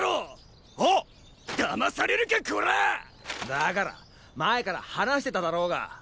だから前から話してただろうが。